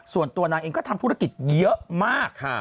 ส่วนตัวนางเองก็ทำธุรกิจเยอะมาก